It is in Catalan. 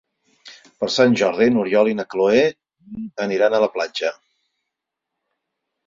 Per Sant Jordi n'Oriol i na Cloè aniran a la platja.